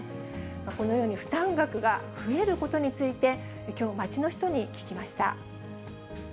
このように負担額が増えることについて、きょう、街の人に聞きました。